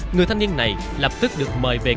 người thanh niên này lập tức được mời về cư trú